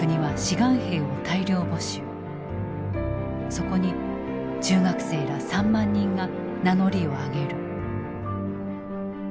そこに中学生ら３万人が名乗りを上げる。